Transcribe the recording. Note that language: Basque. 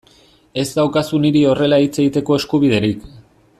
Ez daukazu niri horrela hitz egiteko eskubiderik.